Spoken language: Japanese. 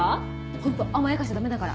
ホント甘やかしちゃダメだから。